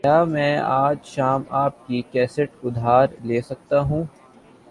کیا میں آج شام آپکی کیسٹ ادھار لے سکتا ہوں؟